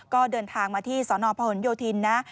ก็เดินทางมาที่สพโยธินตลอดทั้งวัน